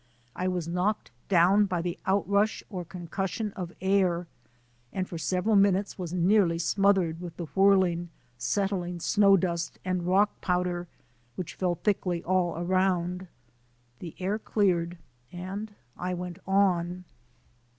I was knocked down by the outrush or concussion of air and for several minutes was nearly smothered with the whirling, settling snow dust and rock powder which fell thickly all around. The air cleared and I went on.